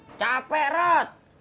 mendingan lu telepon si yodi dah